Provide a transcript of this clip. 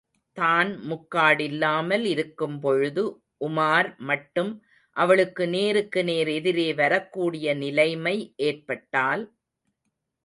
தான் முக்காடில்லாமல் இருக்கும்பொழுது, உமார் மட்டும் அவளுக்கு நேருக்கு நேர் எதிரே வரக்கூடிய நிலைமை ஏற்பட்டால்.